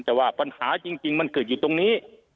แต่ว่าปัญหาจริงมันเกิดอยู่ตรงนี้